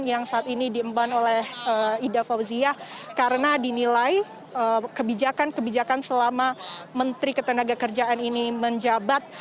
yang saat ini diemban oleh ida fauziah karena dinilai kebijakan kebijakan selama menteri ketenaga kerjaan ini menjabat